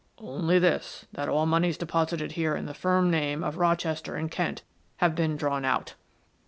"Only this; that all moneys deposited here in the firm name of Rochester and Kent have been drawn out."